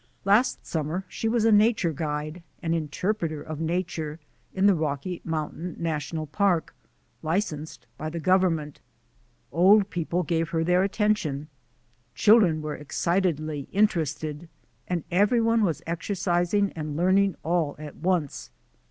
Last summer she was a nature guide — an in terpreter of nature — in the Rocky Mountain Na tional Park, licensed by the Government. Old people gave her their attention, children were ex citedly interested, and everyone was exercising and learning all at once.